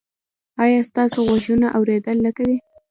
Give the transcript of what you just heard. ایا ستاسو غوږونه اوریدل نه کوي؟